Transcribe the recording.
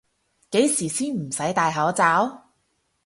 幾時先唔使戴口罩？